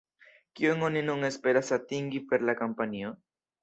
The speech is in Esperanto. Kion oni nun esperas atingi per la kampanjo?